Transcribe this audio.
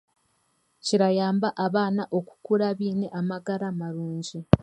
Kirayamba abaana okukura baine amagara marungi.